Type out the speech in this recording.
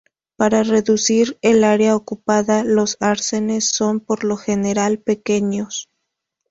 Para reducir el área ocupada, los arcenes son, por lo general, pequeños.